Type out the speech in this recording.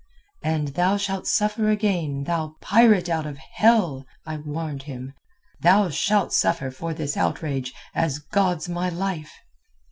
"'And thou shalt suffer again, thou pirate out of hell!' I warned him. 'Thou shalt suffer for this outrage as God's my life!